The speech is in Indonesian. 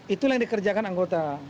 itu yang dikerjakan anggota